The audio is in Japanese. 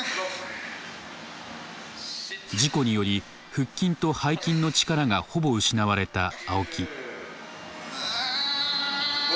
事故により腹筋と背筋の力がほぼ失われた青木。